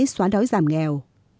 xóa đói giảm nghèo